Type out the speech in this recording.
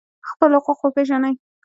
خپل حقوق وپیژنئ